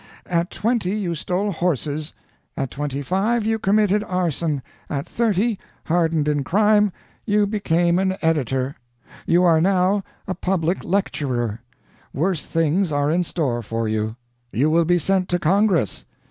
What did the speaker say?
At twenty you stole horses. At twenty five you committed arson. At thirty, hardened in crime, you became an editor. You are now a public lecturer. Worse things are in store for you. You will be sent to Congress.